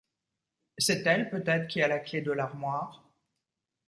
C’est elle peut-être qui a la clef de l’armoire?